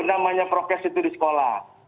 namanya prokes itu di sekolah